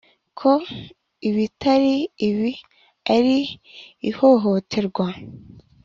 ko ibitari ibi ari ihohoterwa